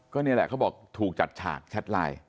ก็นี่แหละเขาบอกถูกจัดฉากแชทไลน์